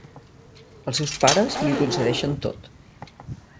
Els seus pares li ho concedeixen tot.